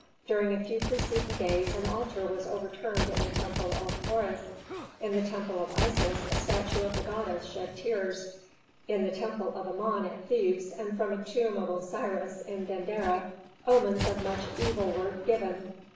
During a few preceding days an altar was overturned in the temple of Horus; in the temple of Isis a statue of the goddess shed tears. In the temple of Amon at Thebes, and from the tomb of Osiris in Dendera, omens of much evil were given.